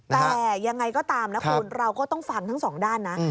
แต่ยังไงก็ตามนะคุณเราก็ต้องฟังทั้งสองด้านนะ